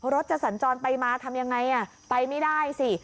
รถจะสัญจรไปมาทำยังไงไปไม่ได้สิ